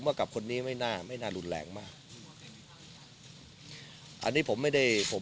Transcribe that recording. กับคนนี้ไม่น่าไม่น่ารุนแรงมากอันนี้ผมไม่ได้ผม